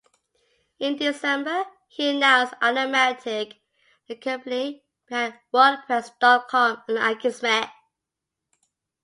In December, he announced Automattic, the company behind WordPress dot com and Akismet.